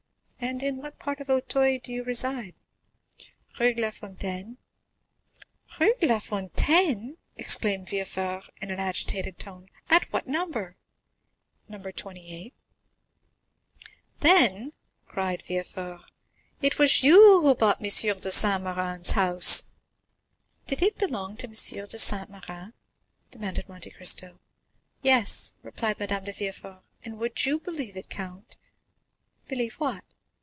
And in what part of Auteuil do you reside?" "Rue de la Fontaine." "Rue de la Fontaine!" exclaimed Villefort in an agitated tone; "at what number?" "No. 28." "Then," cried Villefort, "was it you who bought M. de Saint Méran's house!" "Did it belong to M. de Saint Méran?" demanded Monte Cristo. "Yes," replied Madame de Villefort; "and, would you believe it, count——" "Believe what?"